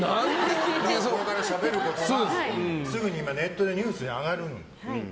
これからしゃべることがすぐにネットでニュースに上がるの。